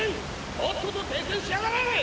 とっとと停船しやがれ！